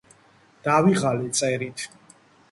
დავიღალე წერით